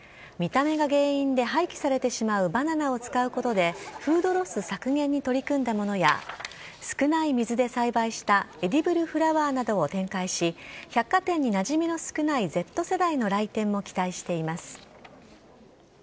見た目が原因で廃棄されてしまうバナナを使うことでフードロス削減に取り組んだものや少ない水で栽培したエディブルフラワーなどを展開し百貨店になじみの少ないＺ世代の来店を期待しています。